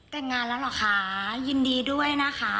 แต่งงานแล้วเหรอคะยินดีด้วยนะคะ